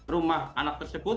rumah anak tersebut